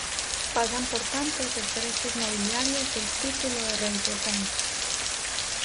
Pasan por tanto a ser derechos nobiliarios del título de rey de Francia.